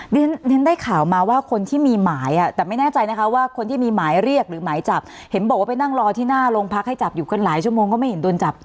เรียนได้ข่าวมาว่าคนที่มีหมายอ่ะแต่ไม่แน่ใจนะคะว่าคนที่มีหมายเรียกหรือหมายจับเห็นบอกว่าไปนั่งรอที่หน้าโรงพักให้จับอยู่กันหลายชั่วโมงก็ไม่เห็นโดนจับ